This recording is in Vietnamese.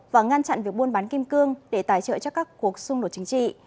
và ngăn chặn việc buôn bán kim cương để tài trợ cho các cuộc xung đột chính trị